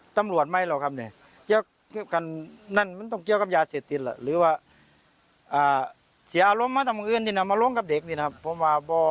ตรงนี้ไปเลยดีไหม